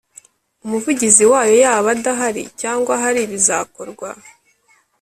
Umuvugizi wayo yaba adahari cyangwa ahari bizakorwa